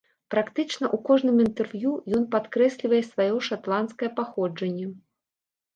Практычна ў кожным інтэрв'ю ён падкрэслівае сваё шатландскае паходжанне.